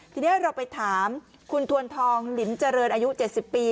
ทีนี้เราไปถามคุณทวนทองหลิมเจริญอายุ๗๐ปี